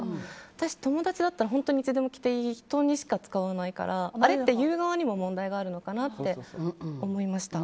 私、友達だったら本当にいつでも来ていい人にしか使わないからあれって言う側にも問題があるのかなって思いました。